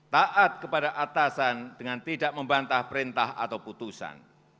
taat kepada atasan dengan tidak membantah perintah atau putusan